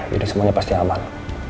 jadi semuanya pasti aman